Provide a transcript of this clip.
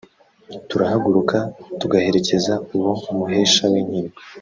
turahaguruka tugaherekeza uwo muhesha w’inkiko